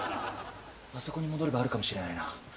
あそこに戻ればあるかもしれないな。